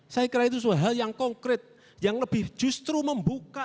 saya kira itu sebuah hal yang konkret yang lebih justru membuka